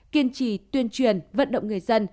kiên trì tuyên truyền vận động người dân